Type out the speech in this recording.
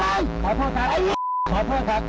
ให้ขอโทษพี่ผมไม่รู้ผมไม่สบาย